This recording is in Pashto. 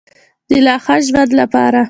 د لا ښه ژوند لپاره.